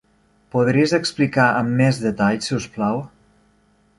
Podries explicar amb més detall si us plau?